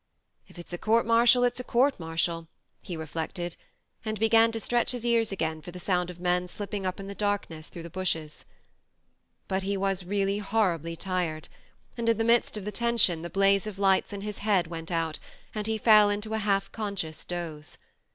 If it's a court martial it's a court martial," he reflected ; and began to stretch his ears again for the sound of men slipping up in the darkness through the bushes. ... But he was really horribly tired, and THE MARNE 127 in the midst of the tension the blaze of lights in his head went out, and he fell into a half conscious doze.